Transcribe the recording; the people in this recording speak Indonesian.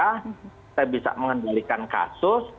kita bisa mengendalikan kasus